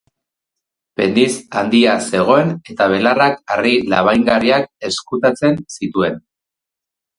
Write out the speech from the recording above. Pendiz handia zegoen, eta belarrak harri labaingarriak ezkutatzen zituen.